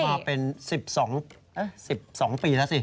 มาเป็น๑๒ปีแล้วสิ